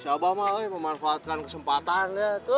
si abang mah memanfaatkan kesempatan